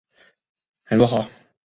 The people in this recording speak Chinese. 很不好！